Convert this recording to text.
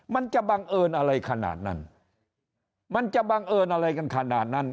มันจะบังเอิญอะไรขนาดนั้นมันจะบังเอิญอะไรกันขนาดนั้น